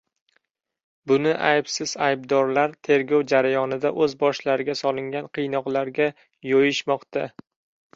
Buni aybsiz aybdorlar tergov jarayonida o‘z boshlariga solingan qiynoqlarga yo‘yishmoqda.